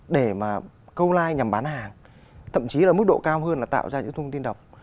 để mà câu like nhằm bán hàng thậm chí là mức độ cao hơn là tạo ra những thông tin độc